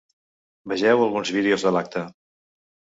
Vegeu alguns vídeos de l’acte.